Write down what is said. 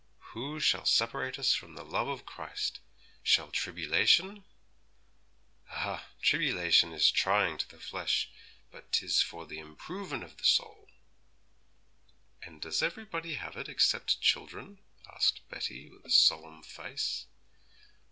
"Who shall separate us from the love of Christ? shall tribbylation?" Ah, tribbylation is tryin' to the flesh, but 'tis for the improvin' of the soul!' 'And does everybody have it except children?' asked Betty with a solemn face.